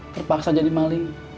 terpaksa jadi maling